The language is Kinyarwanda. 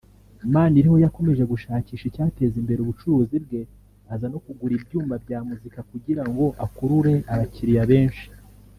Maniriho yakomeje gushakisha icyateza imbere ubucuruzi bwe aza no kugura ibyuma bya muzika kugira ngo akurure abakiriya benshi